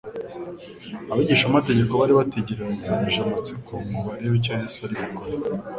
Abigishamategeko bari bategerezanyije amatsiko ngo barebe icyo Yesu ari bukore.